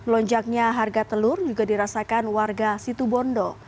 lonjaknya harga telur juga dirasakan warga situbondo